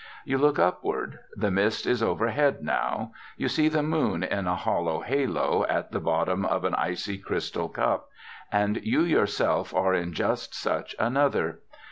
You look upward. The mist is overhead now; you see the moon in a "hollow halo" at the bottom of an "icy crystal cup," and you yourself are in just such another.